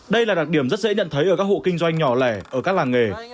đây là đặc điểm rất dễ nhận thấy ở các hộ kinh doanh nhỏ lẻ ở các làng nghề